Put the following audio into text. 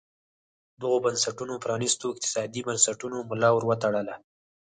دغو بنسټونو پرانیستو اقتصادي بنسټونو ملا ور وتړله.